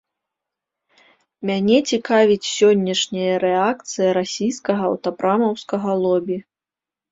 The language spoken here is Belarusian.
Мяне цікавіць сённяшняя рэакцыя расійскага аўтапрамаўскага лобі.